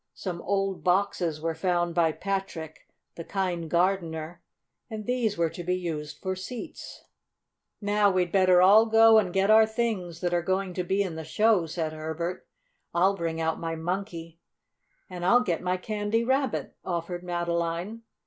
Some old boxes were found by Patrick, the kind gardener, and these were to be used for seats. "Now we'd better all go and get our things that are going to be in the show," said Herbert. "I'll bring out my Monkey." "And I'll get my Candy Rabbit," offered Madeline.